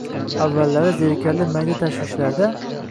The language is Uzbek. Avvallari zerikarli mayda tashvishlarda